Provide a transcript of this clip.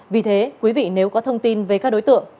vì thế quý vị nếu có thông tin về các đối tượng